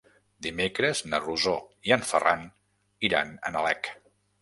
Dimecres na Rosó i en Ferran iran a Nalec.